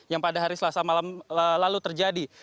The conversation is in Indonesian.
yang pada hari selasa malam lalu terjadi